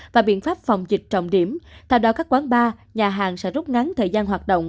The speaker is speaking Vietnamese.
và biện pháp phòng dịch trọng điểm theo đó các quán bar nhà hàng sẽ rút ngắn thời gian hoạt động